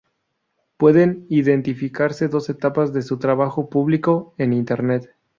Pueden identificarse dos etapas de su trabajo público en Internet.